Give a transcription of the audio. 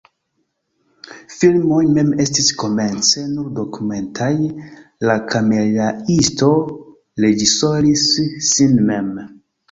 Filmoj mem estis komence nur dokumentaj, la kameraisto reĝisoris sin mem.